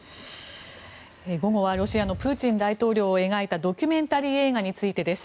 午後はロシアのプーチン大統領を描いたドキュメンタリー映画についてです。